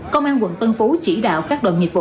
công an quận tân phú chỉ đạo các đội nghiệp vụ